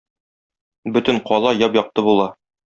Бөтен кала яп-якты була.